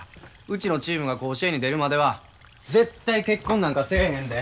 うちのチームが甲子園に出るまでは絶対結婚なんかせえへんで。